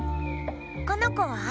このこは？